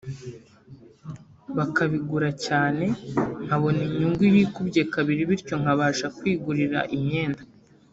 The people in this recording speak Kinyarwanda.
bakabigura cyane nkabona inyungu yikubye kabiri bityo nkabasha kwigurira imyenda